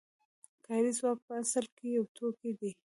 کاري ځواک په اصل کې یو توکی دی